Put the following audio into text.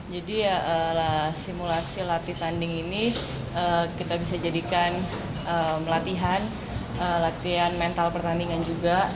ya simulasi latih tanding ini kita bisa jadikan latihan mental pertandingan juga